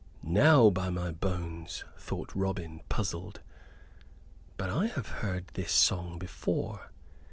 "Now by my bones!" thought Robin, puzzled, "but I have heard this song before."